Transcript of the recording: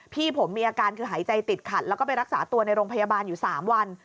พี่ผมมีอาการคือหายใจติดขัดแล้วก็ไปรักษาตัวในโรงพยาบาลอยู่๓วัน